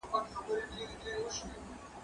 زه کولای سم لوښي وچوم!.